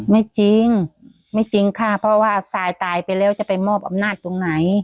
ไม่จริงไม่จริงค่ะเพราะว่าทรายตายไปแล้วจะไปมอบอำนาจตรงไหน